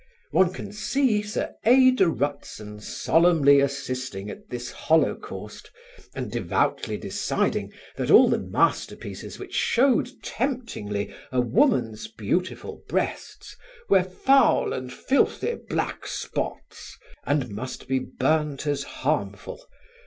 One can see Sir A. de Rutzen solemnly assisting at this holocaust and devoutly deciding that all the masterpieces which showed temptingly a woman's beautiful breasts were "foul and filthy black spots" and must be burnt as harmful.